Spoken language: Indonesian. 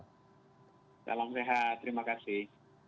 salam sehat terima kasih